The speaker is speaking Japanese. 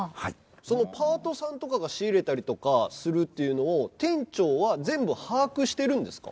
そのパートさんとかが仕入れたりとかするというのを店長は全部把握してるんですか？